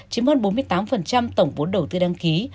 chiếm hơn bốn mươi tám tổng vốn đầu tư đăng ký